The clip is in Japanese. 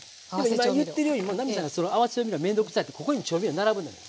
今言ってるように奈実さんがその合わせ調味料面倒くさいってここに調味料並ぶのよ。